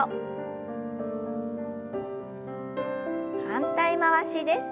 反対回しです。